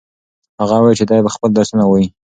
هغه وویل چې دی به خپل درسونه وايي.